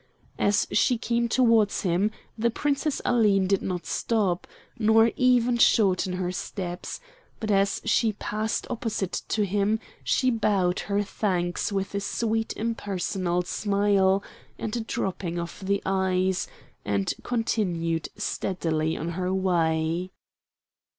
As she came towards him the Princess Aline did not stop, nor even shorten her steps; but as she passed opposite to him she bowed her thanks with a sweet impersonal smile and a dropping of the eyes, and continued steadily on her way.